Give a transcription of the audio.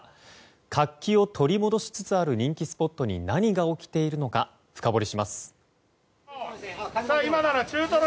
活気を取り戻しつつある人気スポットに何が起きているのか深掘りします。